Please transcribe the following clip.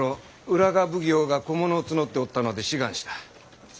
浦賀奉行が小者を募っておったので志願した。